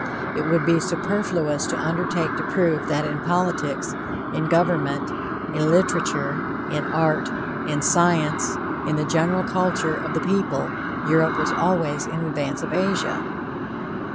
It would be superfluous to undertake to prove that in politics, in government, in literature, in art, in science, in the general culture of the people, Europe was always in advance of Asia.